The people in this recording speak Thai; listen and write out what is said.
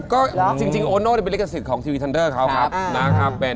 ก็จริงโอโน่เป็นลิขสิทธิ์ของทีวีทันเดอร์เขาครับนะครับ